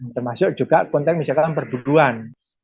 termasuk juga konteks misalkan perburuan